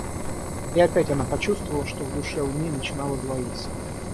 И опять она почувствовала, что в душе у ней начинало двоиться.